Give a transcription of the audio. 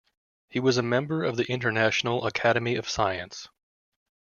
He was a member of the International Academy of Science.